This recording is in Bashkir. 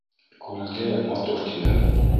Күлде матур тинем.